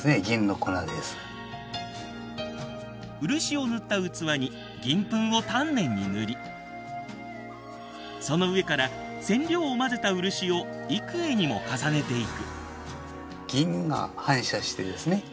漆を塗った器に銀粉を丹念に塗りその上から染料を混ぜた漆を幾重にも重ねていく。